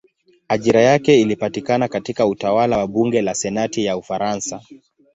Ajira yake ilipatikana katika utawala wa bunge la senati ya Ufaransa.